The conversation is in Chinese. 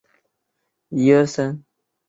该岛也是富士箱根伊豆国立公园的一部分。